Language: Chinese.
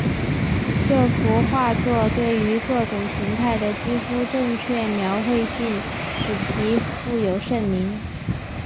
这幅画作对于各种形态的几乎正确描绘性使其负有盛名。